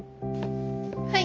はい！